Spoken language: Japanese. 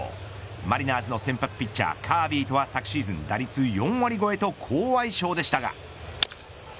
マリナーズの先発ピッチャーカービーとは、昨シーズン打率４割越えと好相性でしたが。